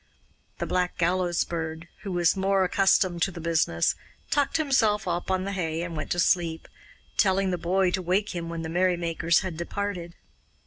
The Black Gallows Bird, who was more accustomed to the business, tucked himself up on the hay and went to sleep, telling the boy to wake him when the merry makers had departed.